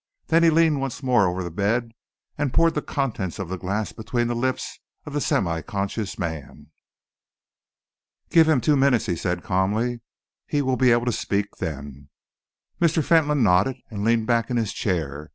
Then he leaned once more over the bed and poured the contents of the glass between the lips of the semi conscious man. "Give him two minutes," he said calmly. "He will be able to speak then." Mr. Fentolin nodded and leaned back in his chair.